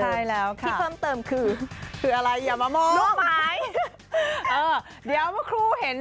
ใช่แล้วที่เพิ่มเติมคือคืออะไรอย่ามามองรูปหมายเออเดี๋ยวเมื่อครูเห็น